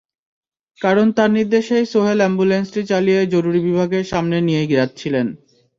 কারণ তাঁর নির্দেশেই সোহেল অ্যাম্বুলেন্সটি চালিয়ে জরুরি বিভাগের সামনে নিয়ে যাচ্ছিলেন।